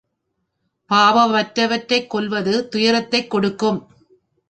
பாவமற்றவரைக் கொல்வது துயரத்தைக் கொடுக்கும்.